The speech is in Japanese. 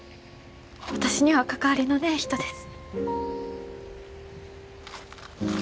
私には関わりのねえ人です。